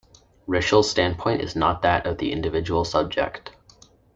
Ritschl's standpoint is not that of the individual subject.